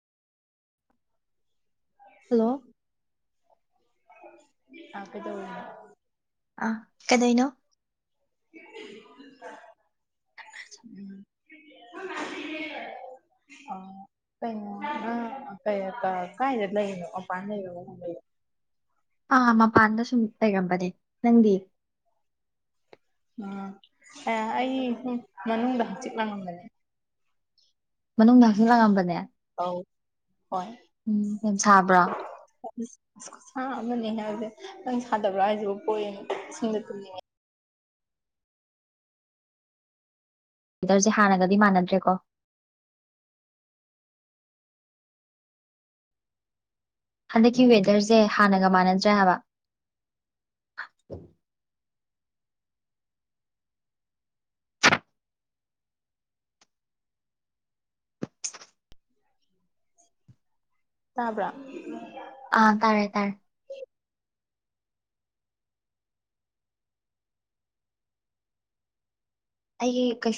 [unintelligible] [unintelligible] ꯑꯥ ꯀꯩꯗꯧ [unintelligible] ꯑꯥ ꯀꯩꯗꯧꯏꯅꯣ [unintelligible] ꯎꯝ [unintelligible] [inaudible] [unintelligible] ꯑꯥ ꯀꯩꯅꯣ [unintelligible] ꯅꯪ [unintelligible] ꯀꯥꯏꯗ ꯂꯩꯅꯣ ꯃꯄꯥꯟ ꯂꯩꯔꯣ ꯃꯅꯨꯡ ꯂꯩꯔꯣ ꯑꯥ ꯃꯄꯥꯟꯗ ꯁꯨꯝ ꯂꯩꯔꯝꯕꯅꯦ ꯅꯪꯗꯤ ꯎꯝ ꯑꯦ ꯑꯩ [unintelligible] ꯃꯅꯨꯡꯗ ꯍꯥꯡꯆꯤꯛ ꯂꯥꯡꯉꯝꯕꯅꯦ ꯃꯅꯨꯡꯗ ꯍꯛꯆꯤꯠ ꯂꯥꯡꯉꯝꯕꯅꯦ ꯑꯧ ꯍꯣꯏ ꯎꯝ ꯌꯥꯝ ꯁꯥꯕ꯭ꯔꯣ [unintelligible] ꯑꯁ ꯈꯨꯁꯥ ꯑꯃꯅꯤ [unintelligible] ꯅꯪ ꯁꯥꯗꯕ꯭ꯔꯥ ꯍꯥꯏꯖꯤꯕꯨ ꯄꯣꯑꯦꯅꯦ ꯏꯁꯤꯡꯗ ꯇꯨꯝꯅꯤꯡꯉꯦ ꯗꯔꯖꯦ ꯍꯥꯟꯅꯒꯗꯤ ꯃꯥꯟꯅꯗ꯭ꯔꯦꯀꯣ ꯍꯟꯗꯛꯀꯤ ꯋꯦꯗꯔꯁꯦ ꯍꯥꯟꯅꯒ ꯃꯥꯟꯅꯗ꯭ꯔꯦ ꯍꯥꯏꯕ ꯇꯥꯕ꯭ꯔꯥ ꯑꯥ ꯇꯥꯔꯦ ꯇꯥꯔꯦ ꯑꯩꯒꯤ ꯀꯩꯁ